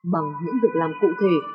bằng những việc làm cụ thể